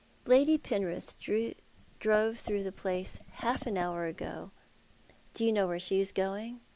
'•Lady Penrith drove through the place half an hour ago. Do you know where she is going